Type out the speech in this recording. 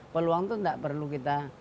peluang itu tidak perlu kita